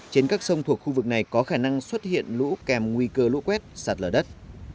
trên các sông thuộc khu vực này có khả năng xuất hiện lũ kèm nguy cơ lũ quét sạt lở đất